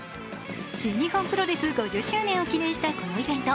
新日本プロレス５０周年を記念したこのイベント。